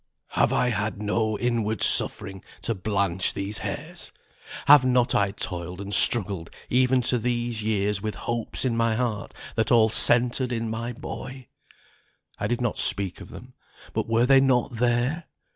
"Have I had no inward suffering to blanch these hairs? Have not I toiled and struggled even to these years with hopes in my heart that all centered in my boy? I did not speak of them, but were they not there?